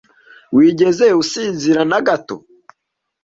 Wigeze usinzira na gato?